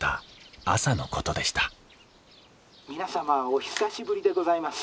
「皆様お久しぶりでございます。